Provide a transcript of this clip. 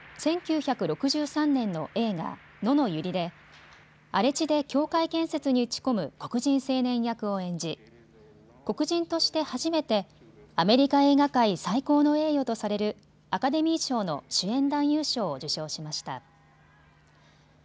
１９６３年の映画、野のユリで荒れ地で教会建設に打ち込む黒人青年役を演じ黒人として初めてアメリカ映画界最高の栄誉とされるアカデミー賞の主演男優賞を受賞しました。